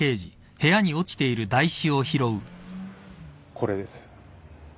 これです。